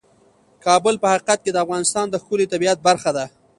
کابل په حقیقت کې د افغانستان د ښکلي طبیعت برخه ده.